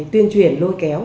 tuyên truyền lôi kéo